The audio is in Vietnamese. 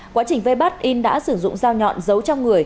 quá trình vây bắt in đã sử dụng dao nhọn giấu trong người